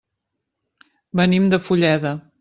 Venim de Fulleda.